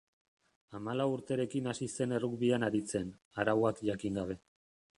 Hamalau urterekin hasi zen errugbian aritzen, arauak jakin gabe.